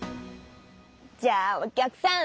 じゃあお客さん！